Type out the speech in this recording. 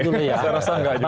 saya rasa gak ada